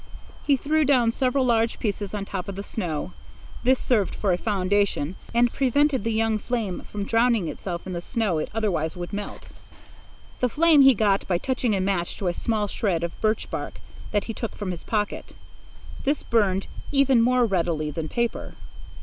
He threw down several large pieces on top of the snow. This served for a foundation and prevented the young flame from drowning itself in the snow it otherwise would melt. The flame he got by touching a match to a small shred of birch bark that he took from his pocket. This burned even more readily than paper.